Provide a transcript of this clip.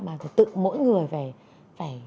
mà tự mỗi người phải